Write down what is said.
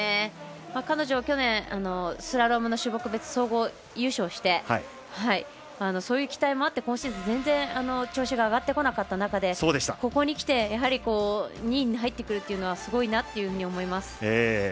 彼女は去年スラローム種目別総合で優勝してそういう期待もあって今シーズンぜんぜん調子が上がってこなかった中でここにきて２位に入ってくるっていうのはすごいなっていうふうに思います。